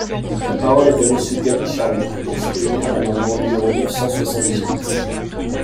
La parole est à Monsieur Gaby Charroux, pour soutenir l’amendement numéro neuf cent soixante-dix-huit.